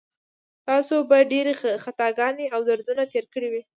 تاسو به ډېرې خطاګانې او دردونه تېر کړي وي.